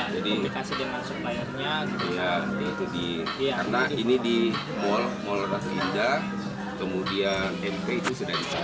jadi saya minta tolong kerja sama kita